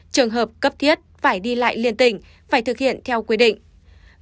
trường hợp cấp thiết phải đi lại liên tỉnh phải thực hiện theo quy định